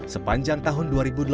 sepanjang tahun dua ribu delapan belas